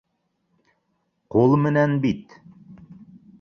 Ҡул менән бит